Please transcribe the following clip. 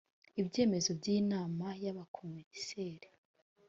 ibyemezo by inama y abakomiseri